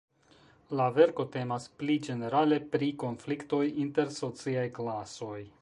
La verko temas pli ĝenerale pri konfliktoj inter sociaj klasoj.